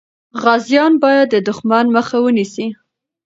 غازیان باید د دښمن مخه ونیسي.